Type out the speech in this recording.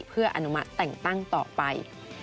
เพื่ออนุมัติแต่งตั้งต่อไป